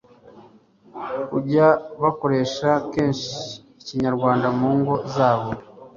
kujya bakoresha kenshi Ikinyarwanda mu ngo zabo